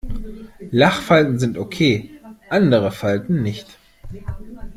Lachfalten sind okay, andere Falten nicht.